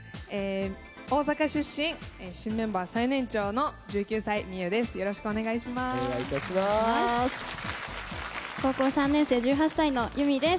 大阪出身新メンバー最年長の１９歳ｍｉｙｏｕです。